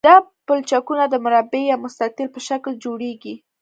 دا پلچکونه د مربع یا مستطیل په شکل جوړیږي